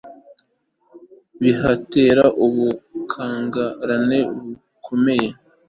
bihatera ubukangarane bukomeye